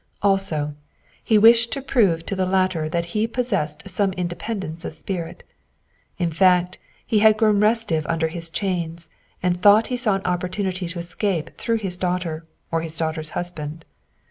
Also, he wished to prove to the latter that he possessed some independence of spirit. In fact, he had grown restive under his chains and thought he saw his opportunity of escape through his daughter, or his daughter's husband.